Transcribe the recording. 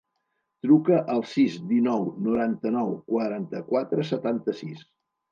Truca al sis, dinou, noranta-nou, quaranta-quatre, setanta-sis.